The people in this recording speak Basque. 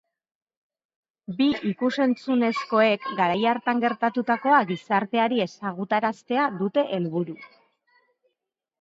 Bi ikus-entzunezkoek garai hartan gertatutakoa gizarteari ezagutaraztea dute helburu.